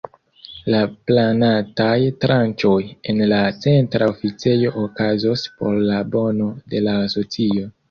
La planataj tranĉoj en la Centra Oficejo okazos por la bono de la asocio.